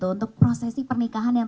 untuk prosesi pernikahan yang